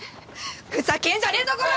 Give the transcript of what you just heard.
ふざけんじゃねえぞこら！